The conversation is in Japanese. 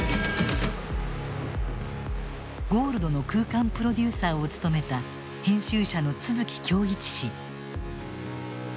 ＧＯＬＤの空間プロデューサーを務めた編集者の都築響一氏。